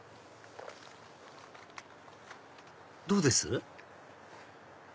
どうです？